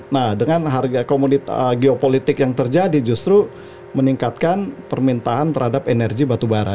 nah dengan harga geopolitik yang terjadi justru meningkatkan permintaan terhadap energi batubara